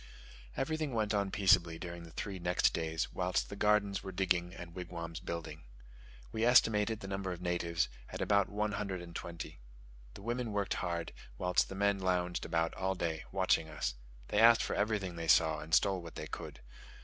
Everything went on peaceably during the three next days whilst the gardens were digging and wigwams building. We estimated the number of natives at about one hundred and twenty. The women worked hard, whilst the men lounged about all day long, watching us. They asked for everything they saw, and stole what they could.